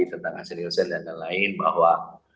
tentang asean irasen dan lain lain bahwa